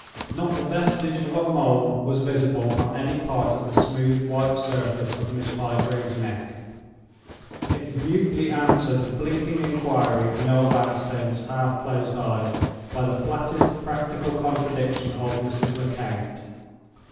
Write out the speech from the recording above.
Not the vestige of a mole was visible on any part of the smooth white surface of Miss Bygrave's neck. It mutely answered the blinking inquiry of Noel Vanstone's half closed eyes by the flattest practical contradiction of Mrs. Lecount.